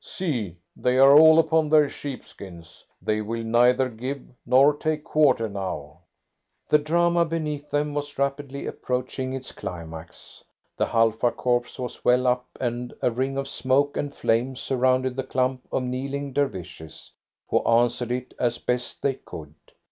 See, they are all upon their sheepskins. They will neither give nor take quarter now." The drama beneath them was rapidly approaching its climax. The Halfa Corps was well up, and a ring of smoke and flame surrounded the clump of kneeling Dervishes, who answered it as best they could.